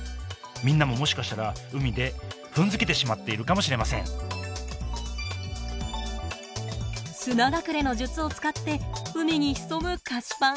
みんなももしかしたら海で踏んづけてしまっているかもしれません砂隠れの術を使って海に潜むカシパン。